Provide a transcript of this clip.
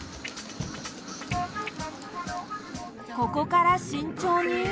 ここから慎重に。